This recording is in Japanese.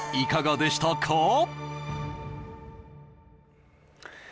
いかがでしたか？